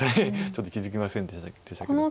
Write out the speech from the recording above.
ちょっと気付きませんでしたけど。